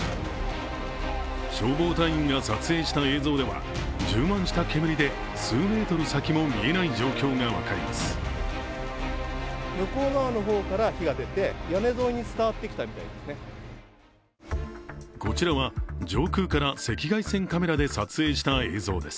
消防隊員が撮影した映像では、充満した煙で数メートル先も見えない状況が分かります。